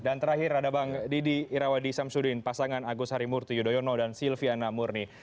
dan terakhir ada bang didi irawadi samsudin pasangan agus harimurti yudhoyono dan silviana murni